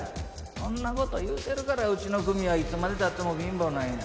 そんな事言うてるからうちの組はいつまで経っても貧乏なんや。